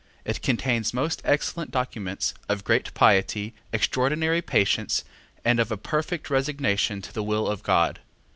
It contains most excellent documents of great piety, extraordinary patience, and of a perfect resignation to the will of God.